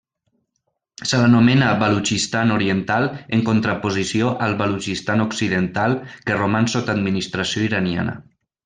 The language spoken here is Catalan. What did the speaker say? Se l'anomena Balutxistan Oriental en contraposició al Balutxistan Occidental que roman sota administració iraniana.